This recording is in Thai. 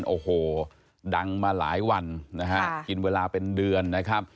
โอ้โหดังมาหลายวันนะฮะกินเวลาเป็นเดือนนะครับ